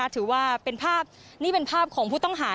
ถือว่าเป็นภาพนี่เป็นภาพของผู้ต้องหา